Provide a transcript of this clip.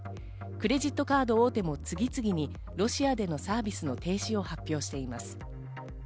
クレジットカード大手も次々にロシアでのサービスの停止を発表しています。